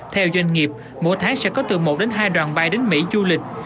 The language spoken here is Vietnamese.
theo doanh nghiệp mỗi tháng sẽ có từ một đến hai đoàn bay đến mỹ du lịch